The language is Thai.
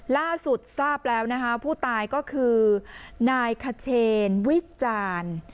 ล่าสุดทราบแล้วนะคะผู้ตายก็คือนายขเชนวิจารณ์